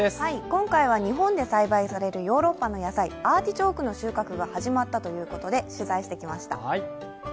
今回は日本で栽培されるヨーロッパの野菜、アーティチョークの収穫が始まったということで取材してきました。